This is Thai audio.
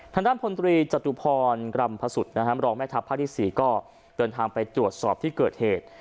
ทางด้านพลตรีจตุพรกรรมพระสุทธิรองแม่ทัพภาคที่๔ก็เดินทางไปตรวจสอบที่เกิดเหตุ